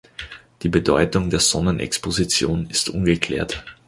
Die Bedeutung der Sonnenexposition ist ungeklärt.